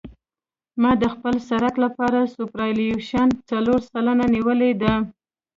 ما د خپل سرک لپاره سوپرایلیویشن څلور سلنه نیولی دی